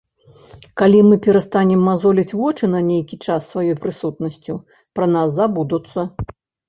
Калі мы перастанем мазоліць вочы на нейкі час сваёй прысутнасцю, пра нас забудуцца.